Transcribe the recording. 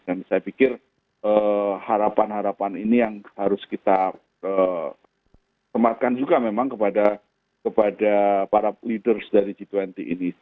dan saya pikir harapan harapan ini yang harus kita sematkan juga memang kepada para leaders dari g dua puluh ini